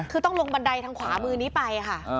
คือต้องลงบันไดทางขวามือนี้ไปค่ะ